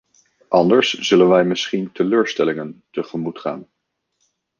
Anders zullen wij misschien teleurstellingen tegemoet gaan.